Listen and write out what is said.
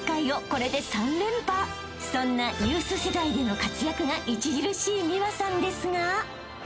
［そんなユース世代での活躍が著しい美和さんですが］